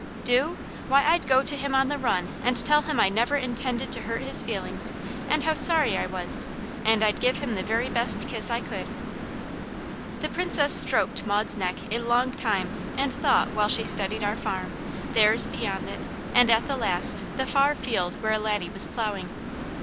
"Do? Why, I'd go to him on the run, and I'd tell him I never intended to hurt his feelings, and how sorry I was, and I'd give him the very best kiss I could." The Princess stroked Maud's neck a long time and thought while she studied our farm, theirs beyond it, and at the last, the far field where Laddie was plowing.